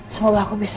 semoga aku bisa